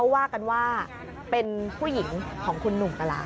ว่ากันว่าเป็นผู้หญิงของคุณหนุ่มกะลา